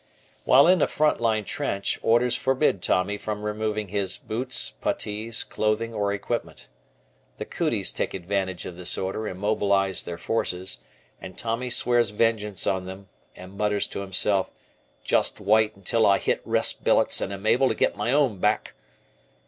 While in a front line trench, orders forbid Tommy from removing his boots, puttees, clothing, or equipment. The "cooties" take advantage of this order and mobilize their forces, and Tommy swears vengeance on them and mutters to himself, "just wait until I hit rest billets and am able to get my own back."